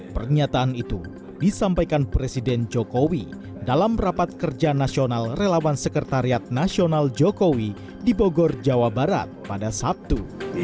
pernyataan itu disampaikan presiden jokowi dalam rapat kerja nasional relawan sekretariat nasional jokowi di bogor jawa barat pada sabtu